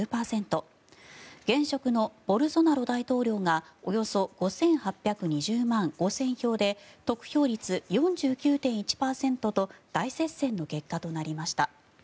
現職のボルソナロ大統領がおよそ５８２０万５０００票で得票率、４９．１％と大接戦の結果となりました。